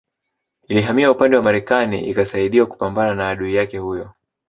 Ilihamia upande wa Marekani ikasaidiwa kupambana na adui yake huyo